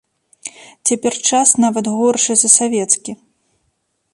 Цяпер час нават горшы за савецкі.